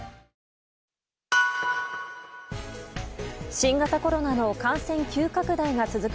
新型コロナの感染急拡大が続く